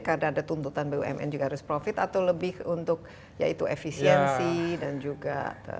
karena ada tuntutan bumn juga harus profit atau lebih untuk ya itu efisiensi dan juga